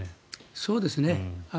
そうですね。